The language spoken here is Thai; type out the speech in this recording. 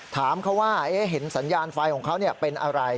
ถามเขาว่าเห็นสัญญาณไฟของเขาเป็นอะไร